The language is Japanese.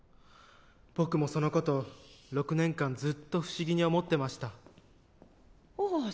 僕もそのことを６年間ずっと不思議に思ってましたあ